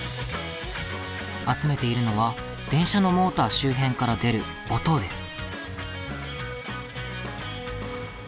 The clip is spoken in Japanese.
集めているのは電車のモーター周辺から出る「音」です。